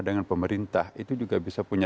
dengan pemerintah itu juga bisa punya